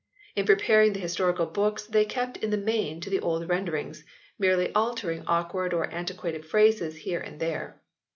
In preparing the historical books they kept in the main to the old renderings, merely altering awkward or antiquated phrases here and there.